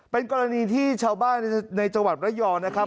เป็นกรณีที่ชาวบ้านในจังหวัดระยองนะครับ